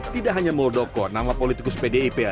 tidak hanya muldoko nama politikus pdip